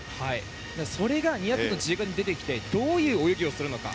それが２００の自由形に出てきてどういう泳ぎをするのか。